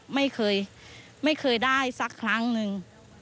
ไม่เคยไม่เคยได้สักครั้งหนึ่ง